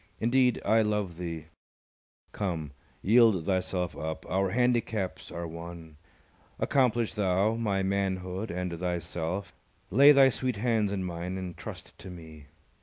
Indeed, I love thee: come, Yield thyself up: our handicaps are one; Accomplish thou my manhood and thyself; Lay thy sweet hands in mine and trust to me.